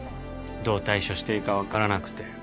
どう対処していいか分からなくて